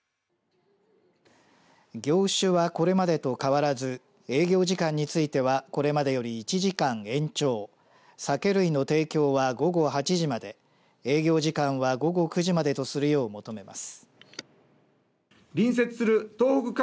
業種は、これまでと変わらず営業時間についてはこれまでより１時間延長酒類の提供は午後８時まで営業時間は午後９時までとするよう求めます。